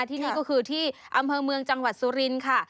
ที่นี่ก็คือที่อำเภอเมืองจังหวัดสุรินทร์ค่ะ